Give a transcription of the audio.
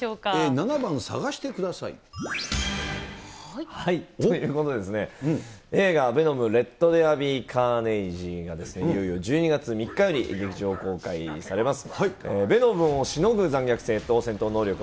７番、探してください。ということで、映画、ヴェノム：レット・ゼア・ビー・カーネイジが、いよいよ１２月３日より劇場公開されます。